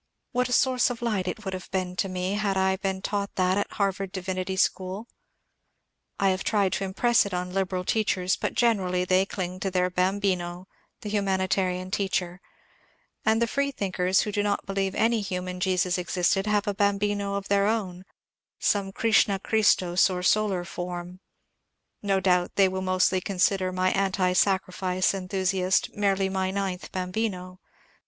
What a source of light it would have been to me had I been taught that at Harvard Divinity School I I have tried to im press it on liberal teachers, but they generally ding to their bambino^ — the humanitarian Teacher, — and the freethinkers who do not believe any human Jesus existed have a hambiTio of their own, — some Krishna Christos or solar form. No doubt they will mostly consider my anti sacrifice enthusiast merely my ninth bambino.